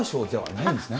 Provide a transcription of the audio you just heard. ないんですね。